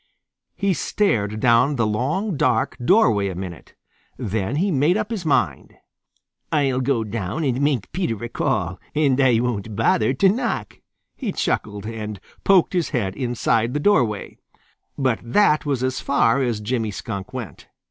He stared down the long dark doorway a minute. Then he made up his mind. "I'll go down and make Peter a call, and I won't bother to knock," he chuckled, and poked his head inside the doorway. But that was as far as Jimmy Skunk went.